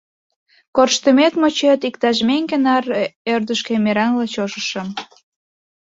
Корштымет-мочет, иктаж меҥге наре ӧрдыжкӧ мераҥла чошышым.